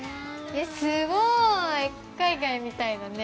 すごい！海外みたいだね。